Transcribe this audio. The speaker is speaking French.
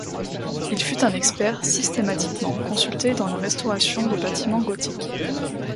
Il fut un expert systématiquement consulté dans la restauration de bâtiments gothiques.